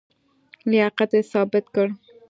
لیاقت یې ثابت کړ.